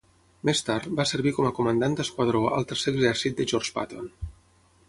Més tard, va servir com a comandant d'esquadró al Tercer Exèrcit de George Patton.